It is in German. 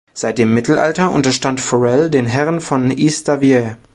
Seit dem Mittelalter unterstand Forel den Herren von Estavayer.